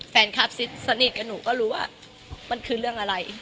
แฟนคลับซิดสนิทกับหนูก็รู้ว่ามันคือเรื่องอะไร